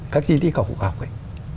các di tích cổ cục học ấy